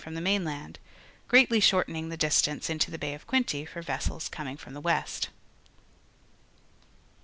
from the. mainland, greatly shortening the distance into the Bay of Quinte for vessels coming from the west.